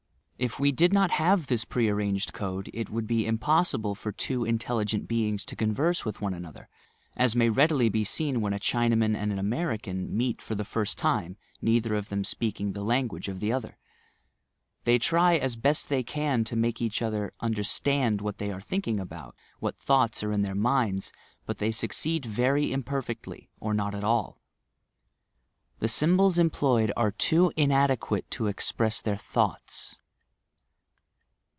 If we did not have this pre arranged code, it would be impossible for two intelligent beings to converse one with another — as may readily be seen when a Chinaman and an American meet for the first time, neither of them speaking the language of the other. They try as best they can to make each other understand what they are thinking about, what thoughts are in their minds, but they succeed very imperfectly, or not at all ! The symbols employed are too inadequate to express their thoughts.